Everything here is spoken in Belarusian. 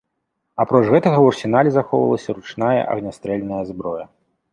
Апроч гэтага ў арсенале захоўвалася ручная агнястрэльная зброя.